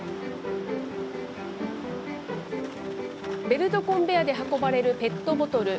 ベルトコンベアで運ばれるペットボトル。